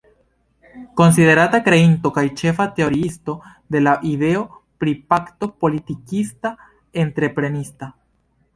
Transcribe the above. Konsiderata kreinto kaj ĉefa teoriisto de la ideo pri pakto politikista-entreprenista.